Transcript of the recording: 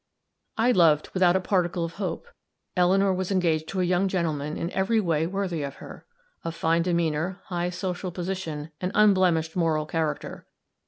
I loved, without a particle of hope. Eleanor was engaged to a young gentleman in every way worthy of her: of fine demeanor, high social position, and unblemished moral character.